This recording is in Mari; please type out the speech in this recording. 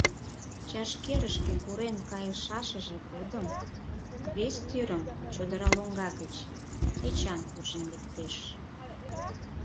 Чашкерышке пурен кайышашыже годым вес тӱрым чодыра лоҥга гыч Эчан куржын лектеш.